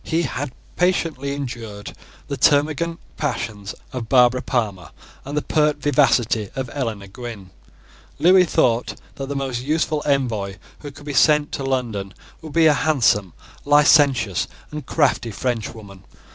He had patiently endured the termagant passions of Barbara Palmer and the pert vivacity of Eleanor Gwynn. Lewis thought that the most useful envoy who could be sent to London, would be a handsome, licentious, and crafty Frenchwoman.